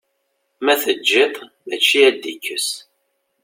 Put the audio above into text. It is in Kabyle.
Ma teǧǧiḍ-t mačči ad d-ikkes.